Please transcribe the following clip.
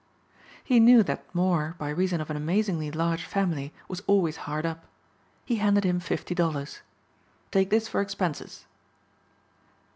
He knew that Moor by reason of an amazingly large family was always hard up. He handed him fifty dollars. "Take this for expenses."